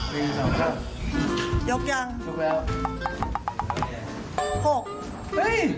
ยกยัง๖เฮ้ยรู้ได้ยังไง